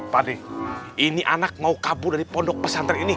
pak de ini anak mau kabur dari pondok pesantren ini